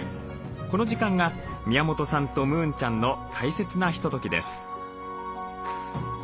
この時間が宮本さんとムーンちゃんの大切なひとときです。